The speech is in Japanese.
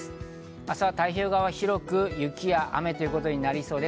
明日は太平洋側は広く雪や雨となりそうです。